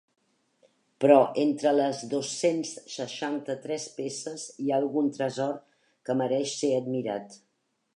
Però entre les dos-cents seixanta-tres peces hi ha algun tresor que mereix ser admirat.